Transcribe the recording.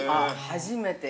初めて。